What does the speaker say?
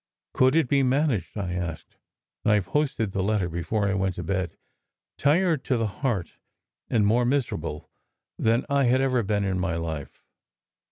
Could it be managed? I asked. And I posted the letter before I went to bed, tired to the heart and more miserable than I had ever been in my life.